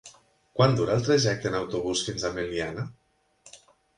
Quant dura el trajecte en autobús fins a Meliana?